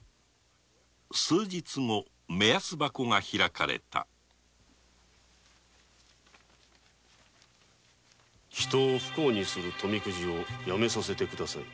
数日後目安箱が開かれた「人を不幸にする富くじをやめさせて下さい」